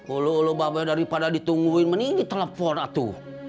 ulu ulu babayu daripada ditungguin mendingan di telepon atu